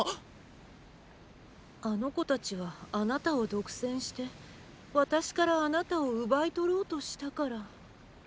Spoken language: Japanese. あの子達はあなたを独占して私からあなたを奪い取ろうとしたからッ！